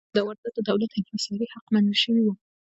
په اسیا کې دا واردات د دولت انحصاري حق منل شوي وو.